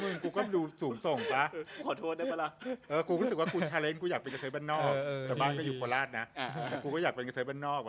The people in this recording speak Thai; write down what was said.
โว้ยบทที่ไก่ตัว